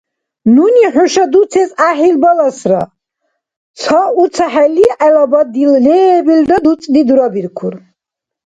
Нуни хӀуша дуцес гӀяхӀил баласра. Ца уцахӀелли – гӀелабад лебилра дуцӀли дурабиркур.